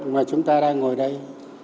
mà chúng ta đang ngồi đây